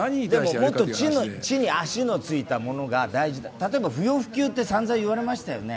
もっと地に足のついたものが大事、不要不急ってさんざん言われましたよね。